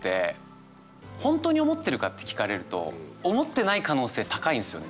本当に思ってるかって聞かれると思ってない可能性高いんですよね